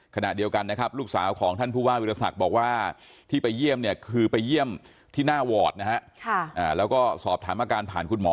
ขณะเดียวกันนะครับลูกสาวของท่านผู้ว่าวิทยาศักดิ์บอกว่าที่ไปเยี่ยมเนี่ยคือไปเยี่ยมที่หน้าวอร์ดนะฮะแล้วก็สอบถามอาการผ่านคุณหมอ